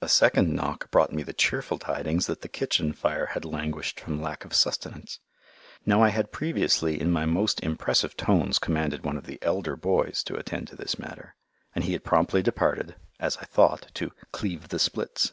A second knock brought me the cheerful tidings that the kitchen fire had languished from lack of sustenance. Now I had previously in my most impressive tones commanded one of the elder boys to attend to this matter, and he had promptly departed, as I thought, to "cleave the splits."